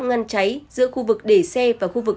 ngăn cháy giữa khu vực để xe và khu vực